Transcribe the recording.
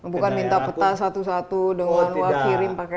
bukan minta peta satu satu dengan wah kirim pakai